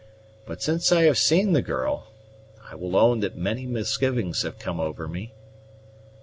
But since I have seen the girl, I will own that many misgivings have come over me."